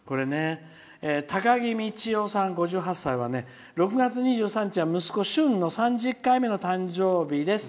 たかぎみちよさん、５８歳は６月２３日は息子、しゅんの３０回目の誕生日です。